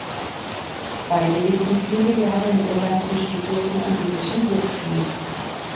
Beide lebten viele Jahre in Irland und studierten an irischen Hochschulen.